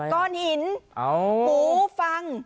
ก้อนหินหูฟัง